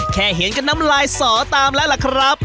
เห็นก็น้ำลายสอตามแล้วล่ะครับ